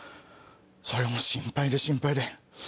それが心配で心配で。